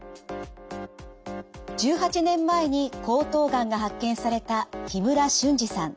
１８年前に喉頭がんが発見された木村俊治さん。